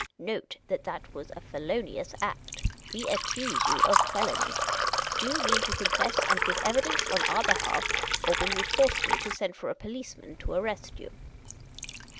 Note that that was a felonious act. We accuse you of felony. Do you mean to confess, and give evidence on our behalf, or will you force me to send for a policeman to arrest you